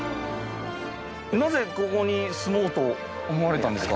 なぜここに住もうと思われたんですか？